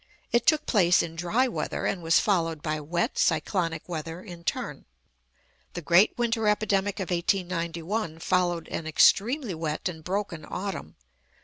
It took place in dry weather, and was followed by wet, cyclonic weather in turn. The great winter epidemic of 1891 followed an extremely wet and broken autumn.